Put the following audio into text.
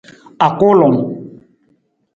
Akulung.